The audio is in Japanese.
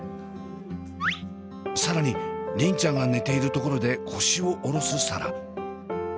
更に梨鈴ちゃんが寝ているところで腰を下ろす紗蘭。